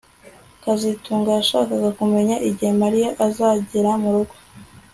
kazitunga yashakaga kumenya igihe Mariya azagera murugo